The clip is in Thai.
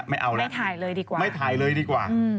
ไม่ไท่เลยดีกว่า